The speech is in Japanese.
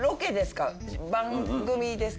番組ですか？